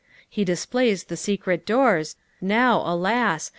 He displays the secret doors, now, alas